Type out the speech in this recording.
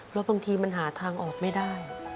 แล้วบางทีมันหาทางออกไม่ได้